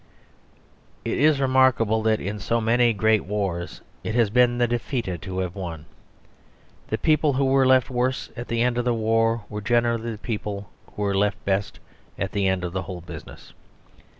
..... It is remarkable that in so many great wars it has been the defeated who have won. The people who were left worst at the end of the war were generally the people who were left best at the end of the whole business.